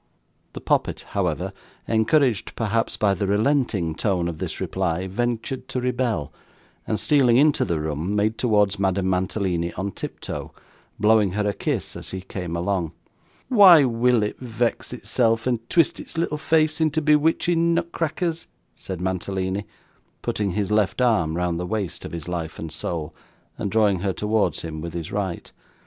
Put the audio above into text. The poppet, however, encouraged perhaps by the relenting tone of this reply, ventured to rebel, and, stealing into the room, made towards Madame Mantalini on tiptoe, blowing her a kiss as he came along. 'Why will it vex itself, and twist its little face into bewitching nutcrackers?' said Mantalini, putting his left arm round the waist of his life and soul, and drawing her towards him with his right.